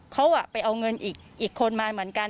เขาไปเอาเงินอีกคนมาเหมือนกัน